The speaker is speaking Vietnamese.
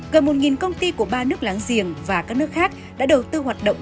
gần một công ty của ba nước láng giềng và các nước khác đã đầu tư hoạt động